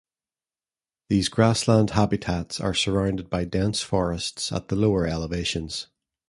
These grassland habitats are surrounded by dense forests at the lower elevations.